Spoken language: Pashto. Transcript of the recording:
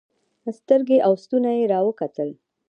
سترګې او ستونى يې راوکتل.